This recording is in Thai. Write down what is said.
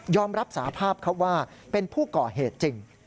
ยอมรับสาภาพเขาว่าเป็นผู้เกาะเหตุจริง